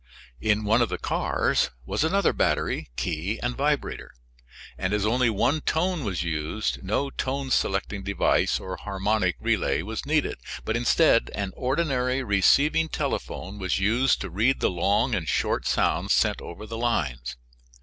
In one of the cars was another battery, key and vibrator, and as only one tone was used, no tone selecting device or harmonic relay was needed, but instead an ordinary receiving telephone was used to read the long and short sounds sent over the lines.